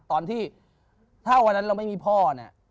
ตอนที่ถ้าวันนั้นเราไม่มีพ่อเนี่ย